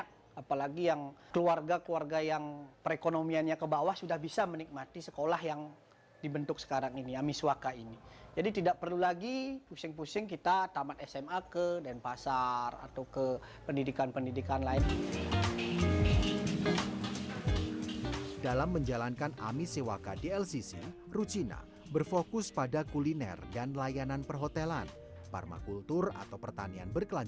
kehilangan suami tercinta